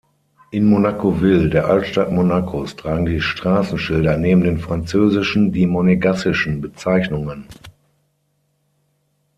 In Monaco-Ville, der Altstadt Monacos, tragen die Straßenschilder neben den französischen die monegassischen Bezeichnungen.